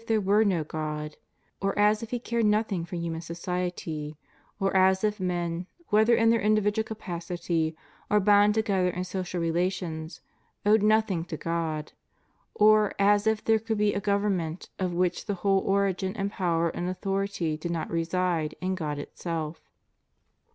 there were no God ; or as if He cared nothing for human society ; or as if men, whether in their individual capacity or bound together in social relations, owed nothing to God; or as if there could be a govenmient of which the whole origin and power and authority did not reside in God Himself.